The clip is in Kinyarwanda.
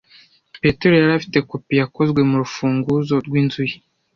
Petero yari afite kopi yakozwe murufunguzo rwinzu ye.